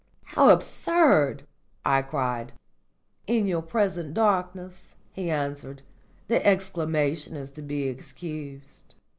"How absurd!" I cried. "In your present darkness," he answered, "the exclamation is to be excused.